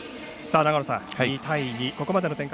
長野さん、２対２ここまでの展開